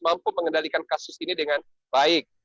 mampu mengendalikan kasus ini dengan baik